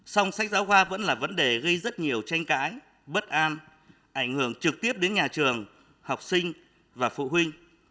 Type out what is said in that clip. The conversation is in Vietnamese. song sách giáo khoa vẫn là vấn đề gây rất nhiều tranh cãi bất an ảnh hưởng trực tiếp đến nhà trường học sinh và phụ huynh